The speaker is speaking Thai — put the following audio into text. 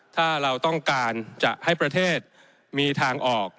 ถ้าเราต้องการจะให้ประเทศมีทางออก